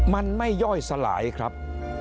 มันไม่ย่อยสลายครับ